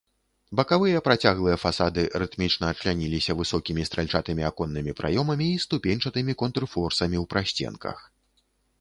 Бакавыя працяглыя фасады рытмічна чляніліся высокімі стральчатымі аконнымі праёмамі і ступеньчатымі контрфорсамі ў прасценках.